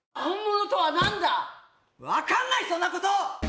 わかんない、そんなこと！